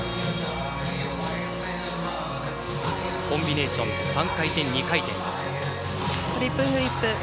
コンビネーション３回転、２回転。